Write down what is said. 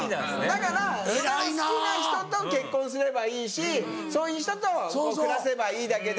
だからそれを好きな人と結婚すればいいしそういう人と暮らせばいいだけで。